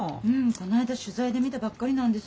こないだ取材で見たばっかりなんです。